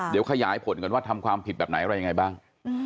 เดี๋ยวขยายผลกันว่าทำความผิดแบบไหนอะไรยังไงบ้าง